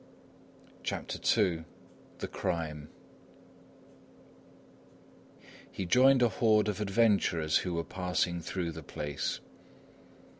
CHAPTER II THE CRIME He joined a horde of adventurers who were passing through the place.